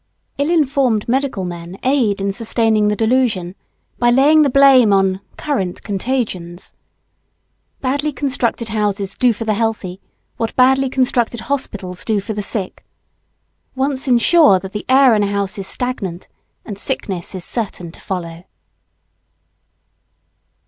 Ill informed medical men aid in sustaining the delusion, by laying the blame on "current contagions." Badly constructed houses do for the healthy what badly constructed hospitals do for the sick. Once insure that the air in a house is stagnant, and sickness is certain to follow.